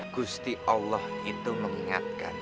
gusti allah itu mengingatkan